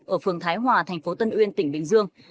ở phường thái hòa tp tân uyên tỉnh bình dương